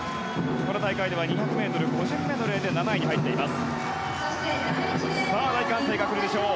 この大会では２００ｍ個人メドレーで７位に入っています。